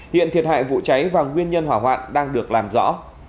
hiện thiệt hại vụ cháy và nguyên nhân hỏa hoạn đang được làm rõ